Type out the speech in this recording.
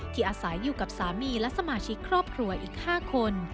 อาศัยอยู่กับสามีและสมาชิกครอบครัวอีก๕คน